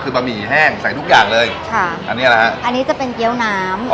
คือบะหมี่แห้งใส่ทุกอย่างเลยค่ะอันนี้แหละฮะอันนี้จะเป็นเกี้ยวน้ำ